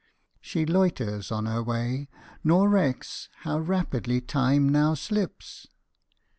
She loiters on her way, nor recks How rapidly time now slips.